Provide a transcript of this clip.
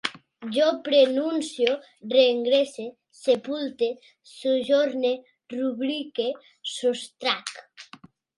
Jo prenuncie, reingresse, sepulte, sojorne, rubrique, sostrac